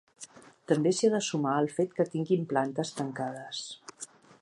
També s’hi ha de sumar el fet que tinguin plantes tancades.